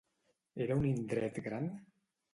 Era un indret gran?